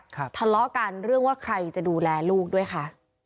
ทะเลาะกันเรื่องว่าใครจะดูแลลูกด้วยค่ะ